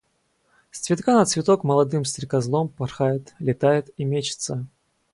С цветка на цветок молодым стрекозлом порхает, летает и мечется.